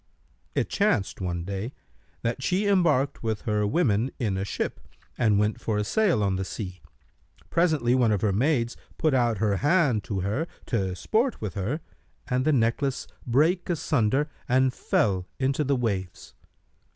It chanced, one day, that she embarked with her women in a ship and went for a sail on the sea. Presently, one of her maids put out her hand to her, to sport with her, and the necklace brake asunder and fell into the waves.